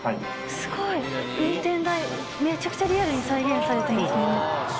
すごい！運転台めちゃくちゃリアルに再現されてますね。